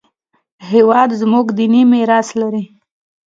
هېواد زموږ دیني میراث لري